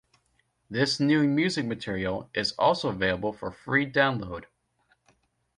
This new music material is also available for free download.